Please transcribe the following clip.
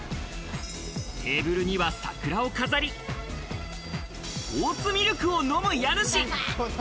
テーブルには桜を飾り、オーツミルクを飲む家主。